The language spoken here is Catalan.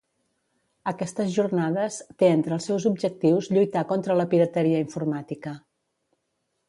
Aquestes jornades té entre els seus objectius lluitar contra la pirateria informàtica.